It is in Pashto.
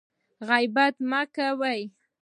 غیبت مه کوئ